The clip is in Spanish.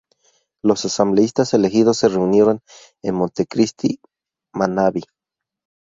Los asambleístas elegidos se reunieron en Montecristi, Manabí.